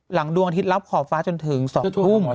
ดวงอาทิตย์รับขอบฟ้าจนถึง๒ทุ่ม